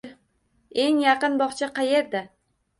Eng yaqin bog'cha qayerda?